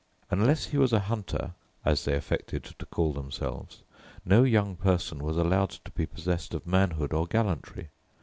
Unless he was a hunter, as they affected to call themselves, no young person was allowed to be possessed of manhood or gallantry.